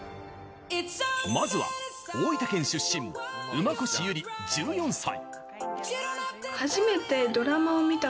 まずは、大分県出身馬越友梨、１４歳。